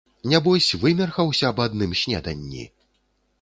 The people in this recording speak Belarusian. Нябось вымерхаўся аб адным снеданні.